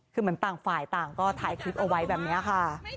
คือเหมือนต่างฝ่ายต่างก็ถ่ายคลิปเอาไว้แบบนี้ค่ะ